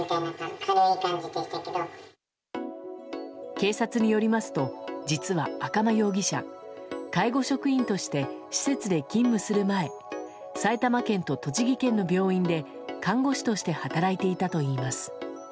警察によりますと実は、赤間容疑者介護職員として施設で勤務する前埼玉県と栃木県の病院で看護師として働いていたといいます。